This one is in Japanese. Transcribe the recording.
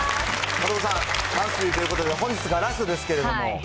真飛さん、マンスリーということで、本日がラストですけれども。